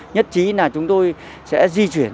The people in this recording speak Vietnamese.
nhất trí là chúng tôi sẽ di chuyển